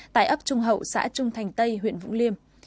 tại ấp trung hậu xã trung thành tây huyện vũng liêm